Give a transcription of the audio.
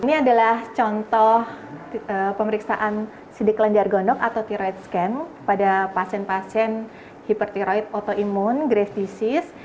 ini adalah contoh pemeriksaan sidik lenjar gonok atau tiroid scan pada pasien pasien hipertiroid autoimun grace disease